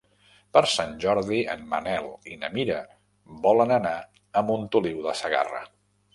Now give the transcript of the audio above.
Per Sant Jordi en Manel i na Mira volen anar a Montoliu de Segarra.